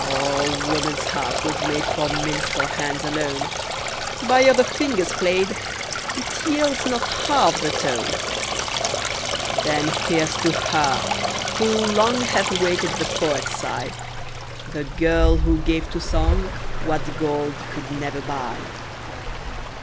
Oh! woman's heart was made For minstrel hands alone; By other fingers played, It yields not half the tone. Then here's to her, who long Hath waked the poet's sigh, The girl who gave to song What gold could never buy.